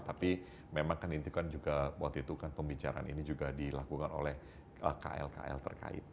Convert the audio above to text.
tapi memang kan intikan juga waktu itu kan pembicaraan ini juga dilakukan oleh kl kl terkait